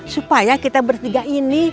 supaya kita bertiga ini